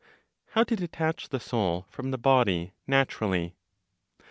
HOW TO DETACH THE SOUL FROM THE BODY NATURALLY.